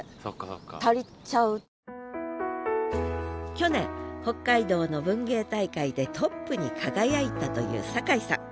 去年北海道の文芸大会でトップに輝いたという坂井さん。